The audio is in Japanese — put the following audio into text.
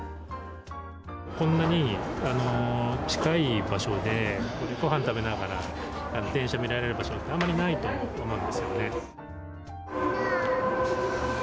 こんなに近い場所でごはん食べながら電車見られる場所ってあんまりないと思うんですよね。